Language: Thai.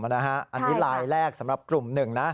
อันนี้รายแรกสำหรับกลุ่ม๑